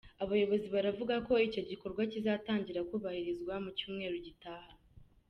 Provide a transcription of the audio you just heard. Abayobozi baravuga ko icyo gikorwa kizatangira kubahirizwa mu cyumweru gitaha.